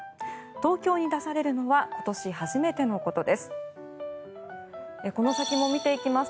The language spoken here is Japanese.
東京に出されるのは今年初めてのことです。